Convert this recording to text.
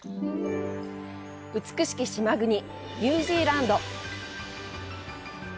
美しき島国、ニュージーランド。